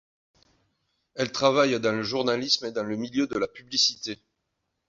Elle travaille dans le journalisme et dans le milieu de la publicité.